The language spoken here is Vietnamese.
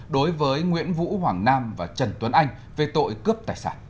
đối với nguyễn vũ hoàng nam và trần tuấn anh về tội cướp tài sản